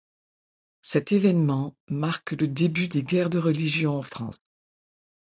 Cet évènement marque le début des guerres de Religion en France.